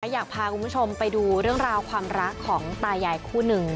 อยากพาคุณผู้ชมไปดูเรื่องราวความรักของตายายคู่หนึ่ง